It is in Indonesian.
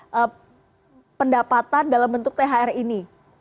bagaimana pendapatan dalam bentuk thr ini